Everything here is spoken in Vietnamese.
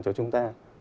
cho chúng ta